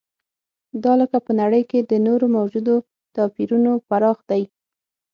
دا لکه په نړۍ کې د نورو موجودو توپیرونو پراخ دی.